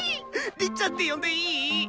りっちゃんって呼んでいい？